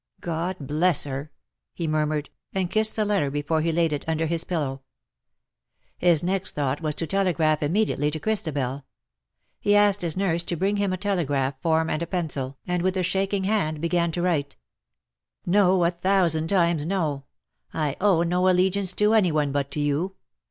" God bless her V he murmured, and kissed the letter before he laid it under his pillow. His next thought was to telegraph immediately to Christabel. He asked his nurse to bring him a telegraph form and a pencil, and with a shaking hand began to write :—" No ! a thousand times no. I owe no allegiance to any one but to you.